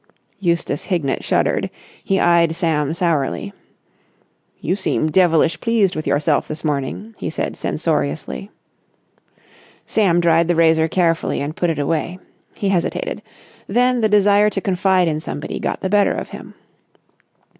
Eustace Hignett shuddered. He eyed Sam sourly. "You seem devilish pleased with yourself this morning!" he said censoriously. Sam dried the razor carefully and put it away. He hesitated. Then the desire to confide in somebody got the better of him.